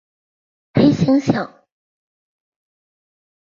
黑猩猩。